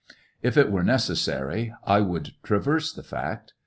If it were necessary I would traverse the fact.